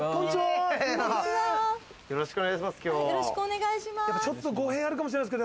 よろしくお願いします。